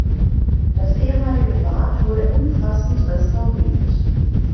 Das ehemalige Bad wurde umfassend restauriert.